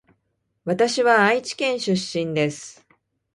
わたしは愛知県出身です